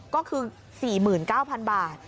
ก็คือ๔๙๐๐บาท